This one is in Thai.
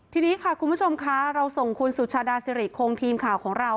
ทีนี้ค่ะคุณผู้ชมค่ะเราส่งคุณสุชาดาสิริคงทีมข่าวของเรา